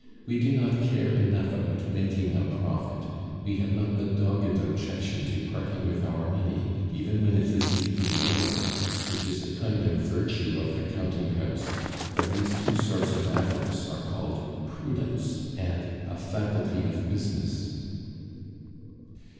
We do not care enough about making a profit; we have not the dogged objection to parting with our money, even when it is legally owing, which is a kind of virtue of the counting house, for these two sorts of avarice are called prudence and a faculty of business."